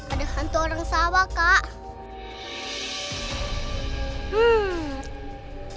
ada hantu orang sawah kak